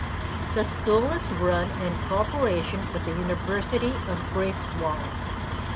The school is run in cooperation with the University of Greifswald.